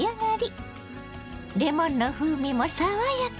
レモンの風味も爽やか。